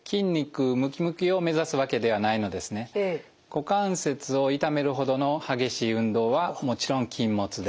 股関節を痛めるほどの激しい運動はもちろん禁物です。